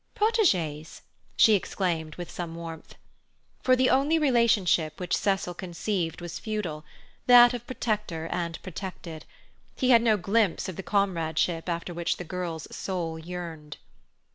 "Protégés!" she exclaimed with some warmth. For the only relationship which Cecil conceived was feudal: that of protector and protected. He had no glimpse of the comradeship after which the girl's soul yearned.